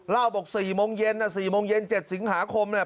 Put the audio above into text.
เล่าบอก๔โมงเย็นนะ๔โมงเย็น๗สิงหาคมเนี่ย